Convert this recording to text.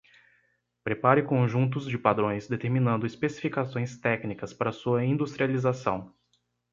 Prepare conjuntos de padrões determinando especificações técnicas para sua industrialização.